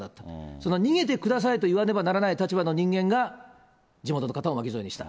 その逃げてくださいと言わねばならない立場の人間が、地元の方々を巻き添えにした。